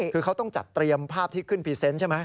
คือเขาต้องจัดเตรียมภาพที่ขึ้นพรีเซนต์ใช่ไหม